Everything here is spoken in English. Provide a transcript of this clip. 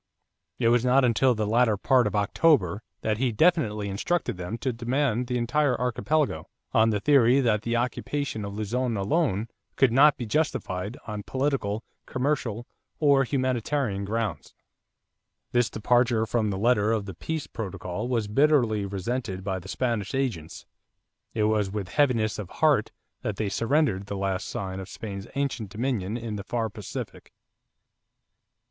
It was not until the latter part of October that he definitely instructed them to demand the entire archipelago, on the theory that the occupation of Luzon alone could not be justified "on political, commercial, or humanitarian grounds." This departure from the letter of the peace protocol was bitterly resented by the Spanish agents. It was with heaviness of heart that they surrendered the last sign of Spain's ancient dominion in the far Pacific.